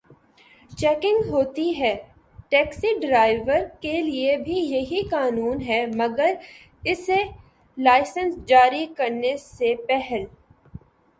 Checking ہوتی ہے۔ Taxi driver کے لیے بھی یہی قانون ہے مگر اسے لائسنس جاری کرنے سے پہل